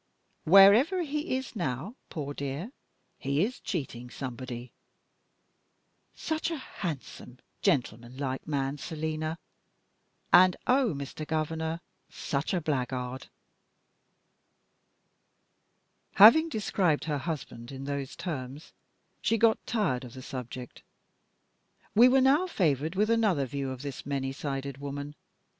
Wherever he is now, poor dear, he is cheating somebody. Such a handsome, gentleman like man, Selina! And, oh, Mr. Governor, such a blackguard!" Having described her husband in those terms, she got tired of the subject. We were now favored with another view of this many sided woman.